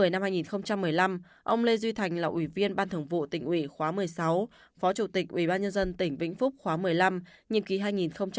năm hai nghìn một mươi năm ông lê duy thành là ủy viên ban thường vụ tỉnh ủy khóa một mươi sáu phó chủ tịch ủy ban nhân dân tỉnh vĩnh phúc khóa một mươi năm nhiệm ký hai nghìn một mươi một hai nghìn một mươi sáu